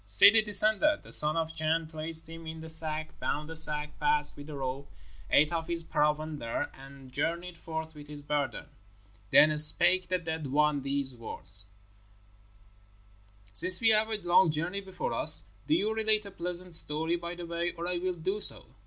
Ssidi descended. The son of Chan placed him in the sack, bound the sack fast with the rope, ate of his provender, and journeyed forth with his burden. Then spake the dead one these words, "Since we have a long journey before us, do you relate a pleasant story by the way, or I will do so."